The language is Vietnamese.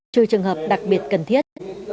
trừ trường hợp đặc biệt cần thiết